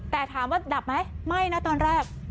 แต่ถามว่าดับไหมไม่นะตอนแรก